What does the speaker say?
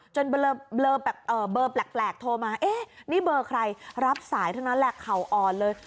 เบอร์แปลกโทรมาเอ๊ะนี่เบอร์ใครรับสายเท่านั้นแหละเข่าอ่อนเลย